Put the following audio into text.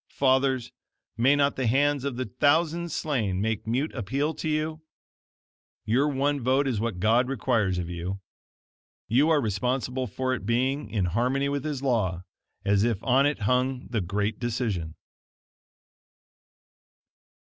Fathers, may not the hands of the "thousands slain" make mute appeal to you? Your one vote is what God requires of you. You are responsible for it being in harmony with His law as if on it hung the great decision.